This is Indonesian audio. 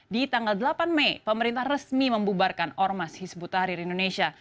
di tanggal delapan mei pemerintah resmi membubarkan ormas hizbut tahrir indonesia